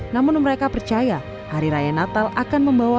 namun mereka percaya hari raya natal akan membawa